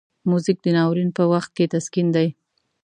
موزیک د ناورین په وخت کې تسکین دی.